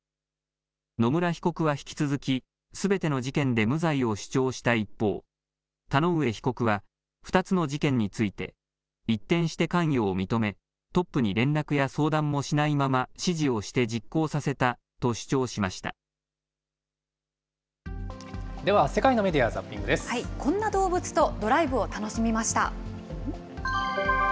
野村被告は引き続き、すべての事件で無罪を主張した一方、田上被告は、２つの事件について、一転して関与を認め、トップに連絡や相談もしないまま指示をして実行させたと主張しまでは世界のメディア・ザッピこんな動物とドライブを楽しみました。